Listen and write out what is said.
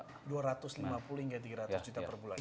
sekitar dua ratus lima puluh hingga tiga ratus juta per bulan